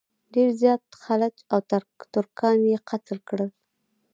ډېر زیات خلج او ترکان یې قتل کړل.